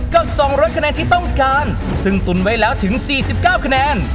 ก็สองร้อยคะแนนที่ต้องการซึ่งตุ๋นไว้แล้วถึงสี่สิบเก้าคะแนน